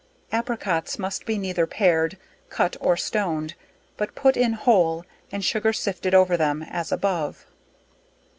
Apricots, must be neither pared, cut or stoned, but put in whole, and sugar sifted over them, as above.